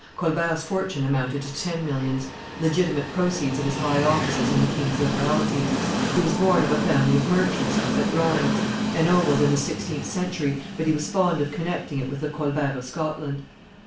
Colbert's fortune amounted to ten millions, legitimate proceeds of his high offices and the king's liberalities. He was born of a family of merchants, at Rheims, ennobled in the sixteenth century, but he was fond of connecting it with the Colberts of Scotland.